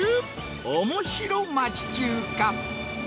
おもしろ町中華。